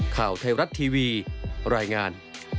ข่าวไทยรัฐทีวีรายงาน